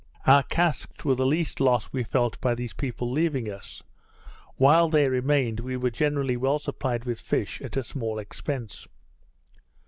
Our casks were the least loss we felt by these people leaving us: While they remained, we were generally well supplied with fish at a small expence.